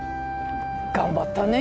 頑張ったね。